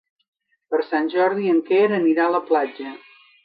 Per Sant Jordi en Quer anirà a la platja.